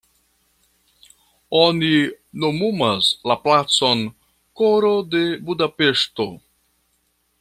Oni nomumas la placon "koro de Budapeŝto".